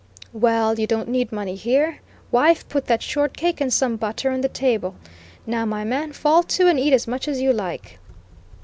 "Well, you don't need money here. Wife, put that short cake and some butter on the table; now, my man, fall to and eat as much as you like."